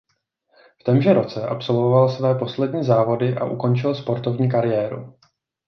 V témže roce absolvoval své poslední závody a ukončil sportovní kariéru.